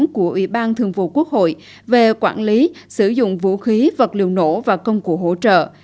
của ủy ban thường vụ quốc hội về quản lý sử dụng vũ khí vật liệu nổ và công cụ hỗ trợ